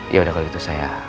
yaudah kalau gitu saya